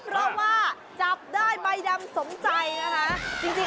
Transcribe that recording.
เพราะว่าจับได้ใบดำสมใจนะคะ